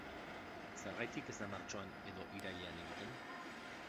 Zergatik ez da martxoan edo irailean egiten?